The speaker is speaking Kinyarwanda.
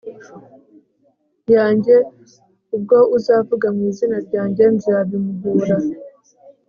yanjye uwo azavuga mu izina ryanjye nzabimuhora